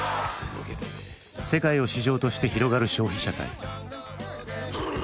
世界を市場として広がる消費社会。